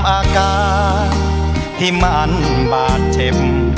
อาการที่มันบาดเจ็บ